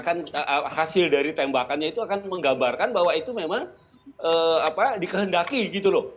karena hasil dari tembakannya itu akan menggambarkan bahwa itu memang dikehendaki gitu loh